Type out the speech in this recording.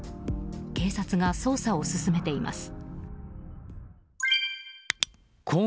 警察が捜査を進めています。